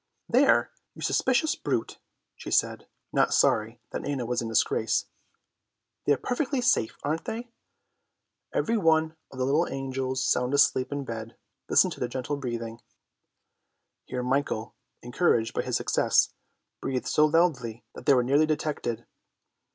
"There, you suspicious brute," she said, not sorry that Nana was in disgrace. "They are perfectly safe, aren't they? Every one of the little angels sound asleep in bed. Listen to their gentle breathing." Here Michael, encouraged by his success, breathed so loudly that they were nearly detected.